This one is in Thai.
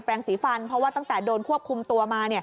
สีฟันเพราะว่าตั้งแต่โดนควบคุมตัวมา